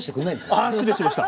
ああ失礼しました。